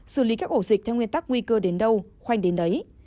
xử lý các ổ dịch theo nguyên tắc nguy cơ đến đâu khoanh đến đấy